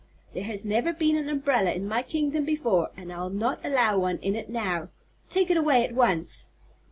"There has never been an umbrella in my kingdom before, and I'll not allow one in it now. Take it away at once!"